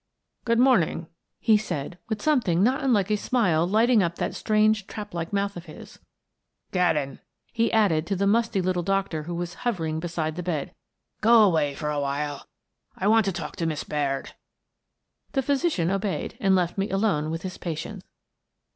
" Good morning," he said with something not unlike a smile lighting up that strange trap like mouth of his. " Gaddon," he added to the musty little doctor who was hovering beside the bed, " go away for awhile: I want to talk to Miss Baird." The physician obeyed and left me alone with his patient.